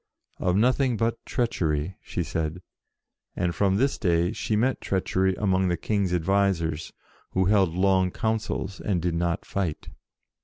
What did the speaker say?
" Of nothing but treachery," she said, and, from this day, she met treachery among the King's advisers, who held long councils, and did not fight.